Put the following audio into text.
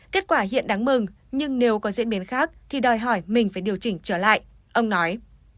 kết quả hiện đáng mừng nhưng nếu có diễn biến khác thì đòi hỏi mình phải điều chỉnh trở lại ông nói